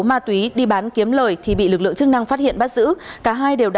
ma túy đi bán kiếm lời thì bị lực lượng chức năng phát hiện bắt giữ cả hai đều đã